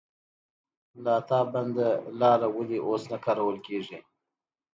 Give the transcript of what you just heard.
لاتابند لاره ولې اوس نه کارول کیږي؟